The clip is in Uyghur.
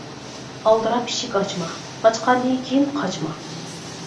ئالدىراپ ئىشىك ئاچما، ئاچقاندىن كېيىن قاچما.